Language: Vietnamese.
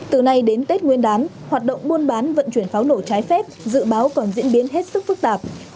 từ nay đến tết nguyên đán hoạt động buôn bán vận chuyển pháo nổ trái phép dự báo còn diễn biến hết sức phức tạp